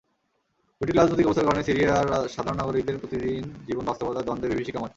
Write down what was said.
জটিল রাজনৈতিক অবস্থার কারণে সিরিয়ার সাধারণ নাগরিকদের প্রতিদিন জীবন বাস্তবতার দ্বন্দ্বে বিভীষিকাময়।